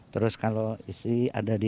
terus kalau istri ada di